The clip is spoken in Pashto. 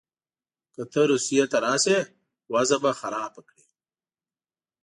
که ته روسیې ته راسې وضع به خرابه کړې.